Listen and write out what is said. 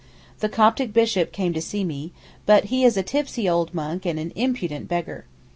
The Coptic Bishop came to see me, but he is a tipsy old monk and an impudent beggar.